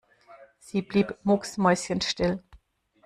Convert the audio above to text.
Sie blieb mucksmäuschenstill.